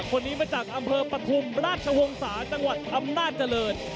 คนนี้มาจากอำเภอปฐุมราชวงศาจังหวัดอำนาจเจริญ